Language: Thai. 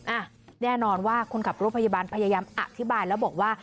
อ่ะแน่นอนว่าคนขับรถพยาบาลพยายามอธิบายแล้วบอกว่า